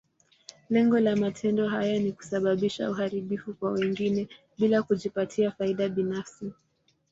Lengo la matendo haya ni kusababisha uharibifu kwa wengine, bila kujipatia faida binafsi.